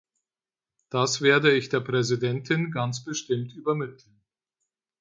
Das werde ich der Präsidentin ganz bestimmt übermitteln.